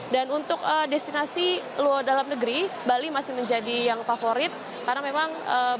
dan untuk destinasi luar dalam negeri bali masih menjadi yang favorit karena memang bali